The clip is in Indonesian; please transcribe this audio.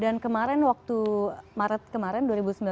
dan kemarin waktu maret kemarin dua ribu sembilan belas